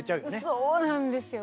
そうなんですよ。